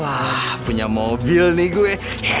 wah punya mobil nih gue